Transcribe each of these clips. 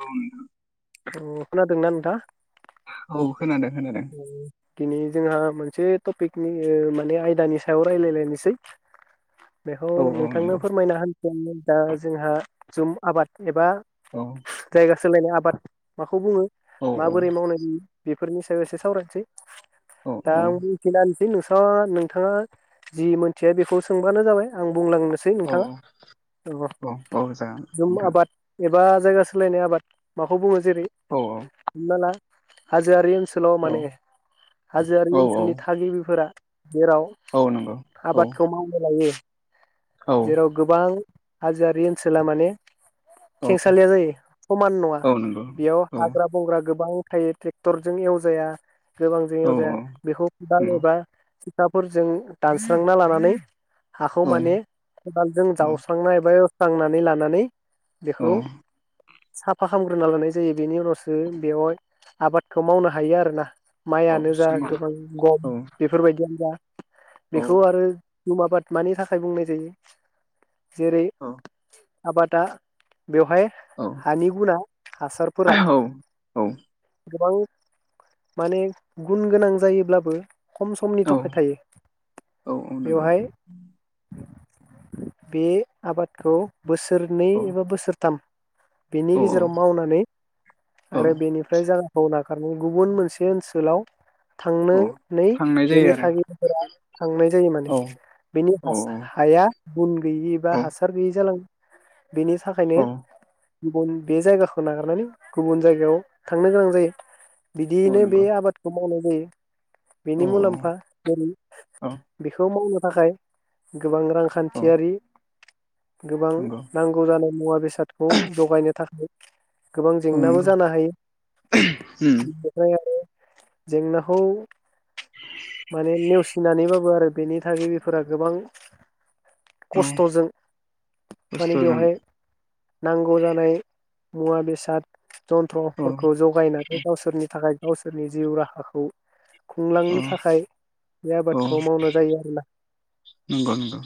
औ नोंथां। अ खोनादोंना नोंथांआ? औ खोनादों खोनादों। दिनै जोंहा मोनसे टपिकनि माने आयदानि सायाव रायलायलायनोसै दे। औ नोंथांनो फोरमायना हो दा जोंहा जुम आबाद एबा औ जायगा सोलायनाय आबाद माखौ बुङो औ माबोरै मावनाय बि बेफोरनि एसे सावरायनोसै औ दा आं बुंथिलानोसै नोंसा नोंथाङा जि मोनथिया बेखौ सोंबानो जाबाय आं बुंलांनोसै औ नोंथाङा औ जागोन जुम नोंथां आबाद एबा जायगा सोलायनाय आबाद। माखौ बुङो। जेरै औ हमना ला हाजोआरि ओनसोल। औ सल'मानि। हाजोआरि औ ओनसोलनि थागिबिफोरा। जेराव औ नंगौ औ आबादखौ मावनो लायो। औ जेराव गोबां। हाजोआरि ओनसोला माने औ खेंसालिया जायो। समान नङा औ नंगौ बेयाव। औ हाग्रा बंग्रा गोबां थायो ट्रेक्टरजों एव जाया। गोबां जोंनियाव औ जाया बेखौ खदाल एबा नंगौ सिखाफोरजों दानस्रांना लानानै हाखौ माने खदालजों औ जावस्रांना एबा एवस्रांनानै लानानै औ बेखौ साफा खालामामग्रोना लानाय जायो बेनि उनावसो बेवहाय आबादखौ मावनो हा हायो आरोना। औ माइयानो जा सिमां गोबां गम औ बेफोर बायदियानो जा औ बेखौ आरो जुम आबाद मानि थाखाय बुंनाय जायो जेरै औ आबादा बेवहाय औ हानि गुना हासारफोरा औ गोबां माने गुन गोनां जायोब्लाबो खम समनि थखाय औ थायो। औ नंगौ बेवहाय बे आबादखौ बोसोरनै औ एबा बोसोरथाम बेनि औ गेजेराव औ मावनानै औ आरो बेनिफ्राय जा बावना [unintelligible] गुबुन मोनसे ओनसोलाव थांनो औ नै थांनाय जायो बेनि आरो थागिबिफोरा थांनाय जायो माने औ बेनि हाबा हाया बुं गैयि एबा औ हासार गैयि जालाङो। बेनि थाखायनो औ गुबुन बे जायगाखौ नागारनानै गुबुन जायगायाव थांनो गोनां जायो। औ बिदियैनो बे नंगौ आबादखौ मावनाय [inaudible] औ बेनि मुलाम्फा जेरै औ बेखौ मावनो थाखाय गोबां औ रांखान्थियारि गोबां नंगौ नांगौ जानाय मुवा बेसादखौ जगायनो थाखाय गोबां औ जेंनाबो नंगौ जानो हायो [inaudible] ओमफ्राय आरो जेंनाखौ माने नेवसिनानैबाबो आरो बेनि थाखाय बेफोरा गोबां औ खस्थजों माने खस्थ'जों बेवहाय नांगौ जानाय मुवा बेसाद औ जन्थ्रफोरखौ जगायनानै फोरनि थाखाय गावसोरनि जिउ राहाखौ औ खुंलांनो थाखाय बे औ आबादखौ मावनाय जायो आरोना। नंगौ नंगौ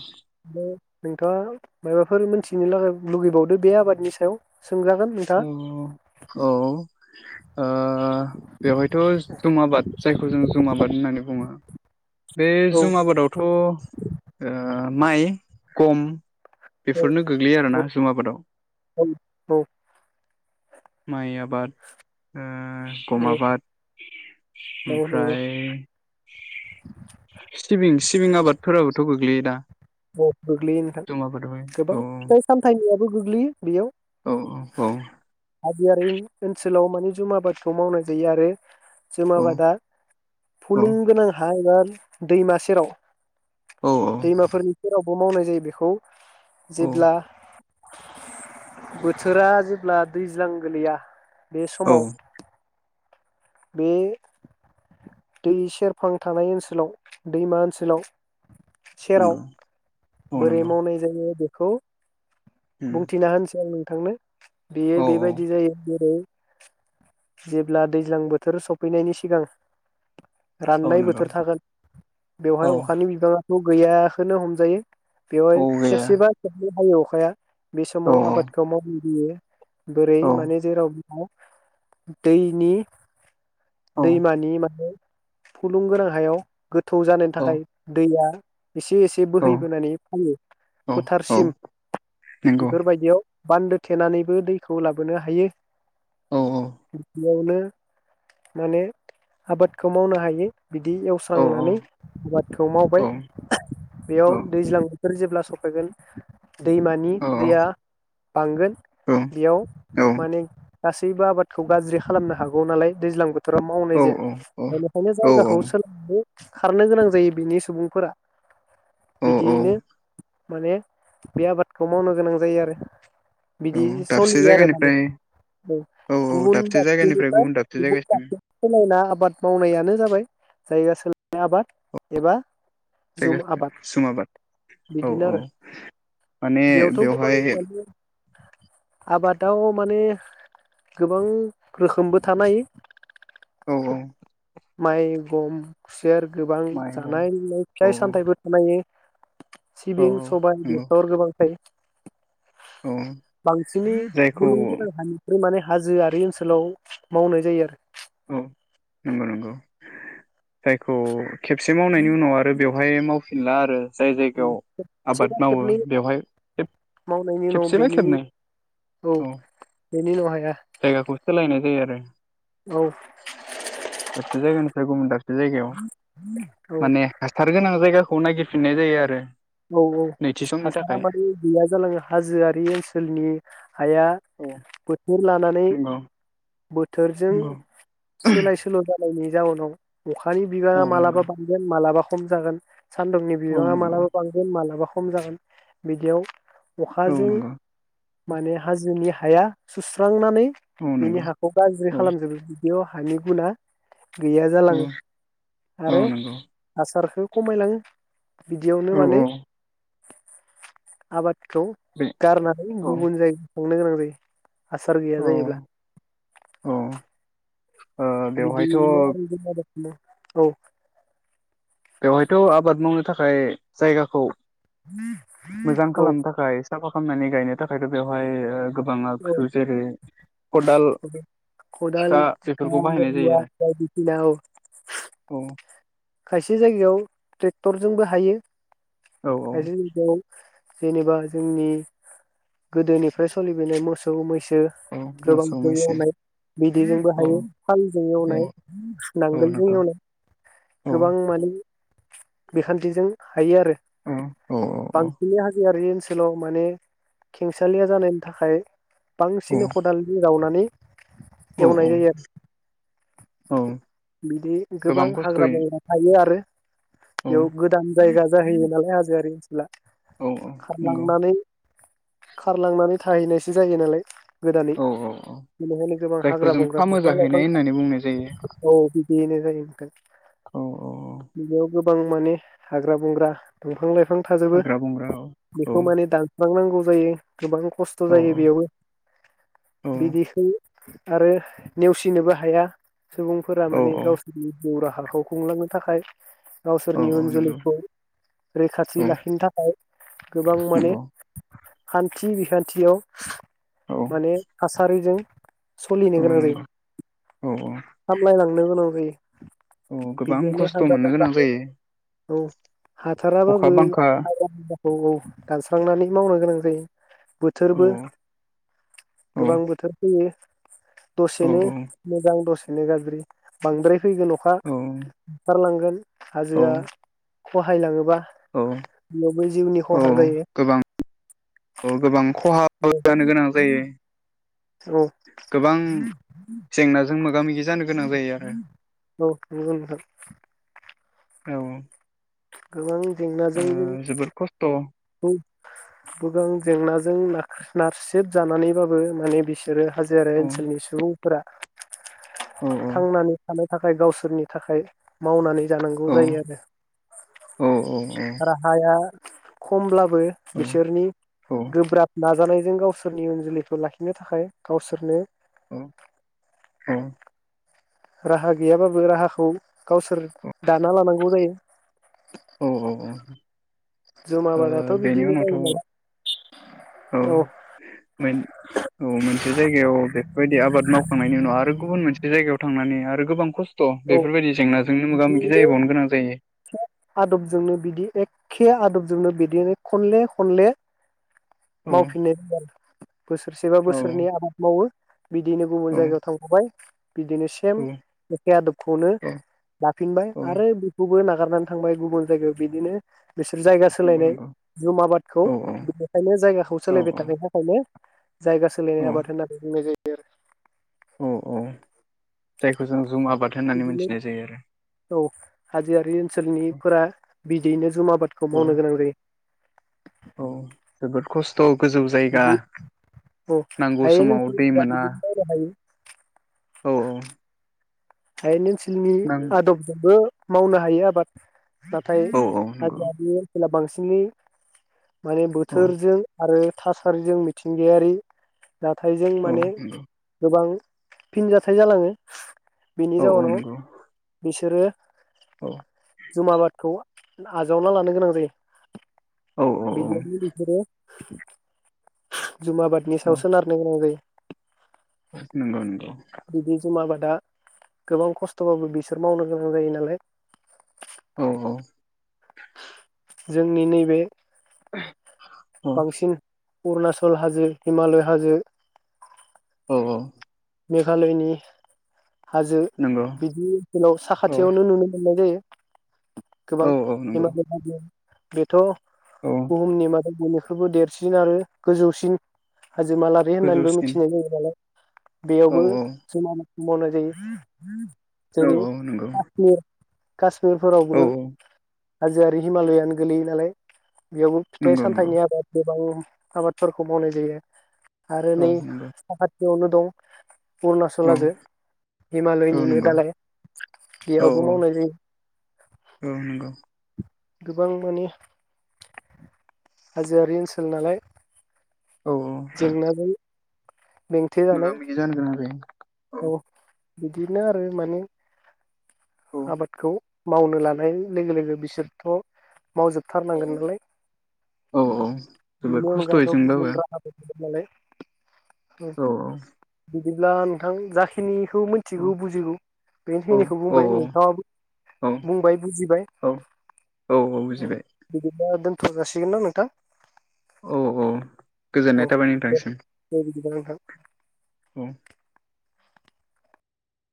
नोंथांङा माबाफोर मोन्थिनो लागा लुगैबावदो बे आबादनि सायाव? सोंजागोन अ नोंथाङा औ। ओ बेवहायथ जुम आबाद जायखौ जों जुम आबाद होन्नानै बुङो बे औ जुम आबादावथ माइ खम बेफोरनो गोग्लैयो औ आरोना जुम आबादाव। औ माइ आबाद ओ ओ गम औ आबाद औ नंगौ ओमफ्राय सिबिं सिबिं आबादफोराबोथ गोग्लैयो। दा औ गोग्लैयो नोंथां जुम आबादावहाय गोबां फिथाय औ सामथायनि बो गोग्लैयो बेयाव औ औ हाजोआरि ओन्स न्सोलाव माने जुम आबादखौ मावनाय जायो आरो औ जुमाबादा औ फुलुंगोनां हा एबा दैमा सेराव औ दैमाफोरनि आबबो मावनाय जायो बेखौ औ जेब्ला बोथोरा जेब्ला दैज्लां गोलैया बे औ समाव बे दै सेरफां थानाय ओनसोलाव दैमा ओनसोलाव सेराव नंगौ औ बोरै नंगौ मावनाय जायो। खौ उम बुंथिना होनोसै आंनि थांनो बेयो औ औ बेबायदि जायो जेरै जेब्ला दैज्लां बोथो थोर सफैनायनि सिगां औ राननाय नंगौ बोथोर थागोन बेवहाय औ अखानि बिबाङा गैयखौनो हमजायो। बेवहाय औ गैया खेबसेबा खेबनै हायो अखाया बे औ समाव आबादखौ मावो बियो बोरै औ माने जेराव दैनि औ दैमानि माने फुलुं गोनां हायाव गोथौ जानायनि औ थाखाय दैया एसे एसे औ बोहैबोनानै फैयो औ औ फोथारसिम नंगौ बेफोरबायदियाव। बान्दो थेनानैबो दैखौ लाबोनो हायो। [inaudible] [inaudible] औ औ माने आबादखौ मावनो हायो। बिदि औ एवस्रांनानै आबादखौ मावबाय औ औ बेयाव दैज्लां। बेफोर जेब्ला सफैगोन। दैमानि औ दैया। बांगोन बेयाव माने। गासैबो आबादखौ गाज्रि खालामनो हागौ नालाय। दैज्लां बोथो रा मावनाय जाया बेनिखायनो जायगाखौ औ औ सोलानायनै। खारनो गोनां जायो बिनि सुबुंफोरा। औ औ बिदियैनो। माने बे आबादखौ मावनो गोनां जायो आरो। बिदि दाबसे सलियो आरो माने जायगानिफ्राय औ औ औ गुबुन दाबसे जायगानिफ्राय गुबुन दाबसेनिफ्राय दाबसे जायगासिम [unintelligible] सोलायना आबाद मावनायानो जाबाय। जायगा सोलायनाय आबाद एबा जुम आबाद [unintelligible] सुम आबाद औ बिदिनो औ आरो माने बेयावथ' गोबां बेवहाय दाउ माने गोबां रोखोमबो थानो हायो। औ औ माइ, गम सेर गोबां माइगं जानाय लोंनाय औ फिथाइ सामथायाइबो थानो हायो। औ सिबिं औ सबाय नंगौ बेसर गोबां थायो। औ बांसिनै जायखौ गुलुं गोनां हानिफ्राय माने हाजोआरि ओनसोलाव मावनाय जायो आरो। औ नंगौ नंगौ जायखौ खेबसे मावनायनि उनाव आरो बेयाव हाय मावफिनला आरो। जाय जायगायाव आबाद सेबा मावो खेबनै बेवहाय खेब मावनायनि उनाव खेबसेबा बेनि खेबनै औ बेनि उनाव हाया जायगाखौ सोलायनाय जायो आरो। औ [unintelligible] बे जायगायाव माने हासार गोनां जायगा खौ नायगिरफिननाय जायो आरो। औ औ नैथि समनि हासारा थाखाय माने गैया जालाङो हाजोआरि ओनसोलनि हाया औ बोथोर लानानै नंगौ बोथोरजों नंगौ सोलाय सोल जा जायनि जाउनाव अखानि बिबाङा औ मालाबा नंगौ बांगोन मालाबा खम जागोन सान्दुंनि औ बिबाङा नंगौ मालाबा इदिन मालाबा खम जागोन बिदियाव औ अखाजों नंगौ माने हाजोनि हाया सुस्रांनानै औ बिनि नंगौ हाखौ गाज्रि औ खालामजोबो बेयाव हानि गुना गैया औ जालाङो आरो औ नंगौ हासारखौ खमायलाङो बिदि बिनो औ माने औ आबाद खौ बे गारनानै औ गुबुन जाय संनो गोनां दै हासार गैया औ जायोब्ला औ ओ बेवहायथ' बिदिल आरो औ बेवहायथ आबाद मावनो थाखाय जायगाखौ मोजां औ खालामनो थाखाय साफा खालामनानै गायनो थाखायथ बेवहाय गोबां औ आगजु जेरै खदाल खदाल सिखा बेफोरखौ बाहायनाय रुवा जायो बायदिसिना औ आरो खायसे जायगायाव ट्रेक्टरजोंबो हायो औ औ खायसे बिदियाव जेनेबा जोंनि गोदोनिफ्राय सोलिबोननाय मोसौ मैसो औ मोसौ गोबांजों मैसो एवनाय बिदैजोंबो औ हायो हालजों औ एवनाय औ नांगोलजों नंगौ एवनाय औ माने बिखान्थिजों हायो आरो औ औ बांसिन हाजोआरि ओनसोलाव माने खेंसालिया जानायनि थाखाय बांसिन औ खदालजों जावनानै औ एवनाय औ जायो औ बिदि गोबां हाग्रा बंग्रा ए आरो औ एयाव गोदान जायगा जाहैयो नालाय हाजोआरि ओन सोला औ औ नंगौ खारलांनानै खारलांनानै थाहैनायसो जायो नालाय गोदानै औ औ औ बेनिखायनो गोबां जायखौ हाग्रा जों बंग्रा फामो दंफां लाइफां जाहैनाय होननानै बुंनाय जायो औ बिदियैनो जायो औ औ औ बां माने हाग्रा बंग्रा दंफां लाइफां थाजोबो हाग्रा बंग्रा औ औ बेखौ माने दानस्रांनांगौ जायो गोबां खस्थ' औ जायो बेयावबो औ बिदिखो आरो नेवसिनोबो हाया। सुबुंफोरा औ माने औ गावसोरनि [unintelligible] राहाखौ खुंलांनो थाखाय औ गावसोरनि औ उन नंगौ जोलैखौ रैखाथि औ लाखिनो थाखाय गोबां माने नंगौ [unintelligible] थि बिखान्थियाव औ माने थासारिजों सलिनो औ गोनां जायो नंगौ औ औ सामलायलांनो गोनां जायो। औ गोबां बिदियावनो खस्थ' मोननो गोनां जायो [unintelligible] औ अखा हाथाराबाबो बांखा [unintelligible] औ‌ औ दानस्रांनानै मावनो गोनां जायो। औ बोथोरबो औ गोबां बोथोर फैयो। औ दसेनो मोजां दसे बेनो गाज्रि बांद्राय फैगोन औ खारलांगोन औ हाजोआ खहायलाङोबा औ बेयावबो जिउनि औ खहा जायो गोबां औ गोबां खहा जानो गोनां औ जायो [unintelligible] औ गोबां जेंनाजों मो गि जानो गोनां जायो आरो। नंगौ नोंथां औ गोबां ओ जोबोर खस्थ' [unintelligible] गोगां जेंनाजों नाख नारसेबजानानैबाबो माने बिसोरो हाजोयारि ओनसोलनि सुबुं फोरा औ थांनानै थानो थाखाय गावसोरनि थाखाय मावनानै जानांगौ औ जायो आरो औ औ आरो हाया खमब्लाब बो बिसोरनि गोब्राब नाजानायजों गावसोरनि जोलैखौ लाखिनो थाखाय गावसोरनो उम। राहा गैयाबाबो राहाखौ गावसोर दाना लानांगौ जायो। औ औ औ जुम ओ आबादाथ बेनि बिदिनो उनावथ' जायोनालाय औ मोन औ मोन मोनसे जायगायाव बे बायदि आबाद मावखांनायनि उनाव आरो गुबुन मोनसे बे जायगायाव थांनानै आरो गोबां खस्थ अ औ बेफोरबायदि जेंनाजोंनो मोगा मोगि जाहैबावनो गोनां जायो। खे आदबजोंनो बिदिनो खनले खनले औ मावफिननाय बोसोरसेबा औ बोसोरनै आबाद मावो बिदिनो गुबुन औ जायगायाव थांफबाय बिदिनो सेम औ आबखौनो दफिनबाय औ आरो बेखौ बो नागारनानै थांबाय गुबुन जायगायाव बिदिनो बिसोर जायगा नंगौ सोलायनाय नंगौ जुम आबादखौ औ औ बिनिखायनो जायगाखौ औ सोलायबाय थानाय थाखायनो जायगा सोलायनाय औ आबाद होननानै बुंनाय जायो। [unintelligible] औ औ जायखौ जों जुम आबाद होननानै बिदिनो मिथिनाय जायो आरो। औ हाजोआरि ओनसोलनिफोरा बिदियैनो जुमा आबा आबादखौ औ मावनो गोनां जायो। औ जोबोद खस्थ गोजौ जायगा बिदि औ नांगौ हायेन समाव दै ओनसोलफोरा मोना बिदिनो मावनो हायो औ औ। हायेन ओनसोल नि नां आदबजोंबो। मावनो हायो आबाद नाथाय औ औ नंगौ हाजोआरि ओनसोलाव बांसिन सिनि माने औ बोथोरजों आरो थासारिजों मिथिंगायारि जाथायजों औ माने नंगौ गोबां फिन जाथाय जालाङो। बिनि औ औ जाउनाव नंगौ बिसोरो औ जुमा बादखौ आजावना लानो गोनां जायो। औ औ औ बिबादि बिसोरो जुमा आ बादनि औ सायावसो नारनो गोनां जायो [inaudible] नंगौ नंगौ दा गोबां खस्थबाबो बिसोर मावनो गोनां जायो नालाय औ औ जोंनि नैबे औ बांसिन अरुणाचल हाजो हिमालय हाजो औ औ मेघालयनि हाजो नंगौ बिदि ओनसोलाव औ साखाथियावनो नुनो मोननाय जायो गोबां औ औ नंगौ हिमालय हाजो बेथ' औ बुहुमनि मादाव बेखौबो देरसिन आरो गोजौसिन हाजोमालारि होननानैबो गोजौसिन मिथिनाय जायो नालाय औ बेयावबो औ समान [unintelligible] जायो औ जेरै औ नंगौ औ कासमिरफोरावबो हाजोआरि हिमालयानो गोलैयो नालाय बेयावबो फिथाइ नंगौ नंगौ सामथाइनि आबाद गोबां आबादफोरखौ मावनाय जायो। आरो औ नै नंगौ [unintelligible] बेयावनो दं अरुणाचल औ हाजों औ हिमालयनिनो नंगौ दालाय औ बेयावबो औ मावनाय जायो। औ नंगौ गोबां माने हाजोआरि ओनसोल नालाय औ औ जेंनाजों मोगा मोगि जानो गोनां जायो औ अ बिदिनो आरो माने औ आबादखौ मावनो लानाय लोग लोगो बिसोरथ औ मावजोबथारनांगोन नालाय औ औ जोबोर बेनि अनगायाथ खस्थ'यै गुबुन जोंबाबो रावाबो [inaudible] [unintelligible] औ अ बिदिब्ला नोंथां जाखिनि औ मिथिगौ बुजिगौ औ बेखिनिखौ औ बुंबाय [unintelligible] औ बुंबाय बुजिबाय औ औ औ [inaudible] ओ बुजिबाय दोनथ जासिगोन ना नोंथां? औ औ गोजोननाय औ थाबाय दे नोंथांसिम दे बिदिब्ला नोंथां। औ